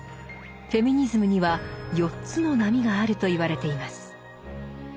フェミニズムには四つの波があると言われています。